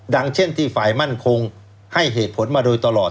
เช่นที่ฝ่ายมั่นคงให้เหตุผลมาโดยตลอด